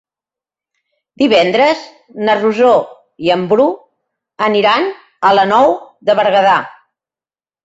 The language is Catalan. Divendres na Rosó i en Bru aniran a la Nou de Berguedà.